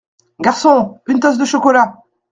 Garçon ! une tasse de chocolat !…